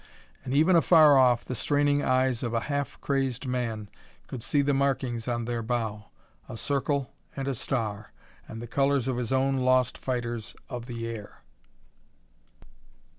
And even afar off, the straining eyes of a half crazed man could see the markings on their bow a circle and a star and the colors of his own lost fighters of the air.